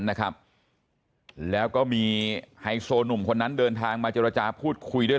นะครับแล้วก็มีไฮโซหนุ่มคนนั้นเดินทางมาเจรจาพูดคุยด้วย